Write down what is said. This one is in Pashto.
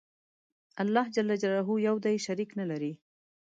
الله ج یو دی. شریک نلري.